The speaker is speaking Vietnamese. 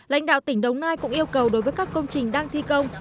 lãnh đạo tỉnh đồng nai cũng yêu cầu đối với các công trình đang thi công